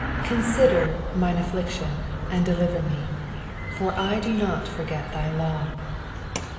CONSIDER mine affliction, and deliver me : for I do not forget thy law.